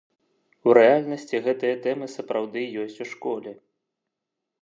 У рэальнасці гэтыя тэмы сапраўды ёсць у школе.